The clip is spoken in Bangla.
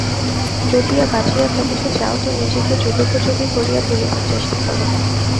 যদি বাঁচিয়া থাকিতে চাও তো নিজেকে যুগোপযোগী করিয়া তুলিবার চেষ্টা কর।